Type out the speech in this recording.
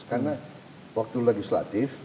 karena waktu legislatif